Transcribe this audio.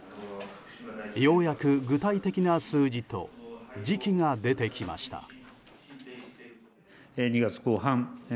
ようやく具体的な数字と時期が出てきました。